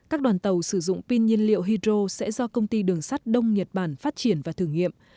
các đoàn tàu sử dụng pin nhiên liệu hydro sẽ do công ty đường sắt đông nhật bản phát triển và thử nghiệm